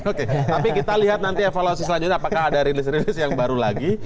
oke tapi kita lihat nanti evaluasi selanjutnya apakah ada rilis rilis yang baru lagi